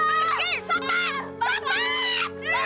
pergi siapa siapa